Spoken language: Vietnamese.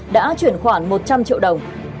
đã chuyển khoản một trăm linh triệu đồng